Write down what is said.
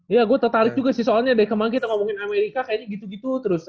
ya gue tertarik juga sih soalnya dari kemarin kita ngomongin amerika kayaknya gitu gitu terus